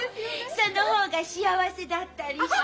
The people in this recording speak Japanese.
その方が幸せだったりして。